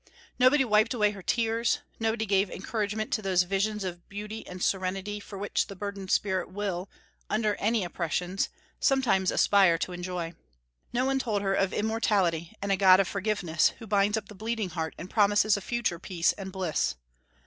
Nobody wiped away her tears; nobody gave encouragement to those visions of beauty and serenity for which the burdened spirit will, under any oppressions, sometimes aspire to enjoy. No one told her of immortality and a God of forgiveness, who binds up the bleeding heart and promises a future peace and bliss.